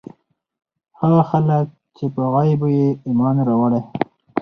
هغه خلک چې په غيبو ئې ايمان راوړی